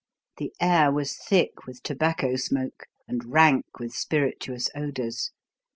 The air was thick with tobacco smoke and rank with spirituous odours.